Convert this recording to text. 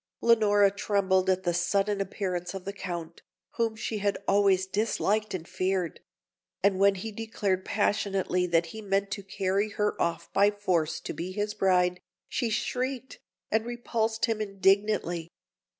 Leonora trembled at the sudden appearance of the Count, whom she had always disliked and feared; and when he declared passionately that he meant to carry her off by force to be his bride, she shrieked, and repulsed him indignantly.